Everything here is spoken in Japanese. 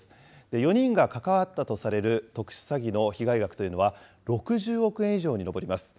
４人が関わったとされる特殊詐欺の被害額というのは６０億円以上に上ります。